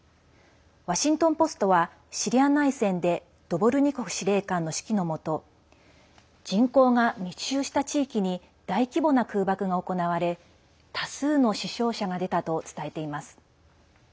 ワシントン・ポストはシリア内戦でドボルニコフ司令官の指揮のもと人口が密集した地域に大規模な空爆が行われ多数の死傷者が出たと伝えています。